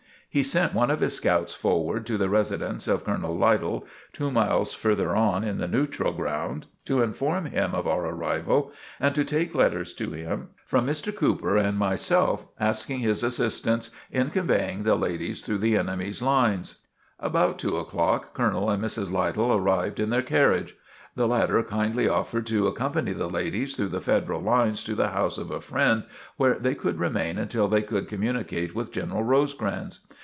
He sent one of his scouts forward to the residence of Colonel Lytle, two miles further on in the "neutral ground," to inform him of our arrival and to take letters to him from Mr. Cooper and myself asking his assistance in conveying the ladies through the enemy's lines. About two o'clock Colonel and Mrs. Lytle arrived in their carriage. The latter kindly offered to accompany the ladies through the Federal lines to the house of a friend where they could remain until they could communicate with General Rosecrans.